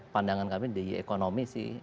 pandangan kami di ekonomi sih